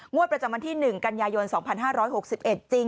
มวดประจำวันที่หนึ่งกัญญายนสองพันห้าร้อยหกสิบเอ็ดจริง